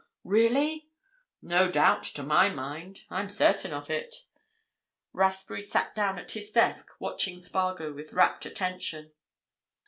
Really?" "No doubt, to my mind. I'm certain of it." Rathbury sat down at his desk, watching Spargo with rapt attention.